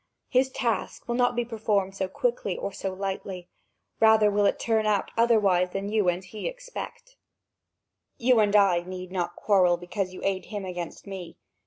His task will not be performed so quickly or so lightly; rather will it turn out otherwise than as you and he expect. You and I need not quarrel because you aid him against me.